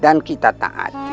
dan kita tak hati